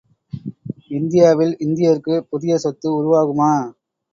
இந்தியாவில் இந்தியருக்குப் புதிய சொத்து உருவாகுமா?